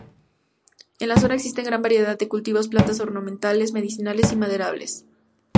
En la zona existen gran variedad de cultivos, plantas ornamentales, medicinales y maderables.